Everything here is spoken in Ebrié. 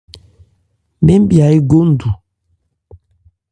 Mɛn mya égo ndu.